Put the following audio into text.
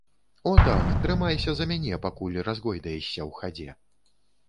О так, трымайся за мяне, пакуль разгойдаешся ў хадзе.